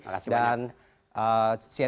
terima kasih banyak